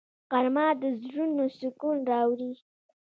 غرمه د زړونو سکون راوړي